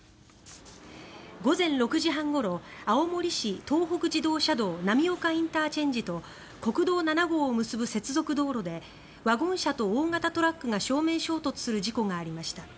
午前６時半ごろ青森市東北自動車道浪岡ＩＣと国道７号を結ぶ接続道路でワゴン車と大型トラックが正面衝突する事故がありました。